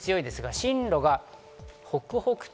進路が北北東。